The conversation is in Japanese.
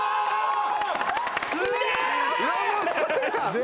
すげえ！